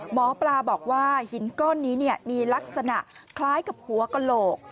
หมอปลาบอกว่าหินก้อนนี้มีลักษณะคล้ายกับหัวกระโหลก